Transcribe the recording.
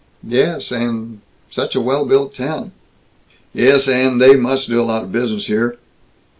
"Yes, and Such a well built town." "Yes, and They must do a lot of business here."